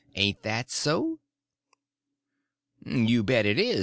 Ain't that so?" "You bet it is.